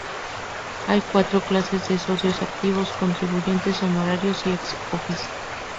Hay cuatros clases de socios: activos, contribuyentes, honorarios y ex-oficio.